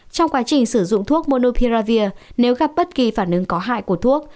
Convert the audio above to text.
trong quá trình sử dụng thuốc monopiravir nếu gặp bất kỳ phản ứng có hại của thuốc